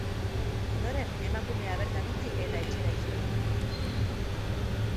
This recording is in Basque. Ondoren, emakumea bertan utzi eta etxera itzuli zen.